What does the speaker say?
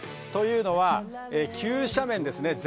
というのは、急斜面ですね。